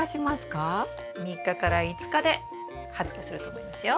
３日から５日で発芽すると思いますよ。